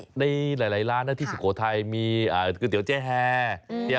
มันมีในหลายร้านที่สุโขทัยมีก๋วยเตี๋ยวเจฮ่า